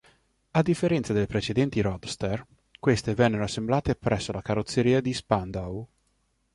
A differenza delle precedenti roadster, queste vennero assemblate presso la carrozzeria di Spandau.